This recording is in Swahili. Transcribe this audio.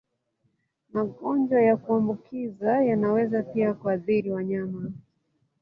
Magonjwa ya kuambukiza yanaweza pia kuathiri wanyama.